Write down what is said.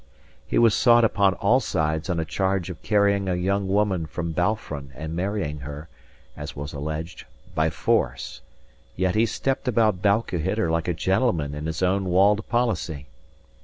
He was sought upon all sides on a charge of carrying a young woman from Balfron and marrying her (as was alleged) by force; yet he stepped about Balquhidder like a gentleman in his own walled policy.